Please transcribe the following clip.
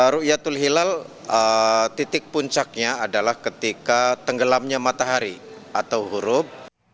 rukyatul hilal titik puncaknya adalah ketika tenggelamnya matahari atau huruf